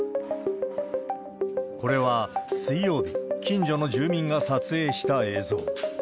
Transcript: これは水曜日、近所の住民が撮影した映像。